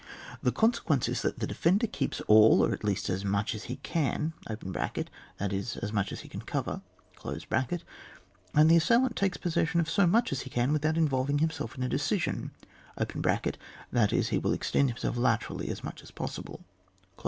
The consequence is that the defender keeps all, or at least as much as he can (that is as much as he can cover), and the assailant takes possession of so much as he can without involving himself in a decision, (that is, he will extend him self laterally as much as possible).